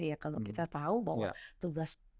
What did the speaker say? ya kalau kita tahu bahwa tugas